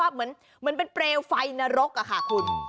เหมือนเป็นเปลวไฟนรกอะค่ะคุณ